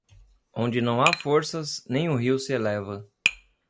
Onde não há forças, nenhum rio se eleva.